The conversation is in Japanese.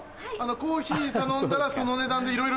コーヒー頼んだらその値段でいろいろ付いてくる。